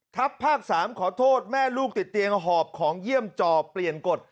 ภาค๓ขอโทษแม่ลูกติดเตียงหอบของเยี่ยมจอเปลี่ยนกฎ